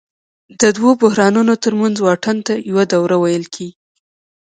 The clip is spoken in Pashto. د دوو بحرانونو ترمنځ واټن ته یوه دوره ویل کېږي